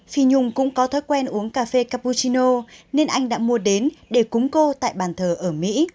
khi nhung cũng có thói quen uống cà phê capuchino nên anh đã mua đến để cúng cô tại bàn thờ ở mỹ